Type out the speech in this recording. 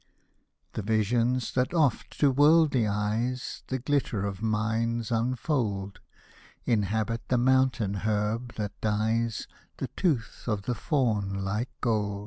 The visions, that oft to worldly eyes The glitter of mines unfold, Inhabit the mountain herb, that dyes The tooth of the fawn like gold.